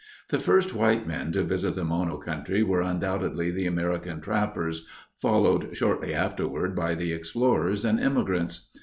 The first white men to visit the Mono country were undoubtedly the American trappers, followed shortly afterward by the explorers and immigrants.